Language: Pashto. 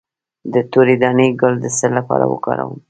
د تورې دانې ګل د څه لپاره وکاروم؟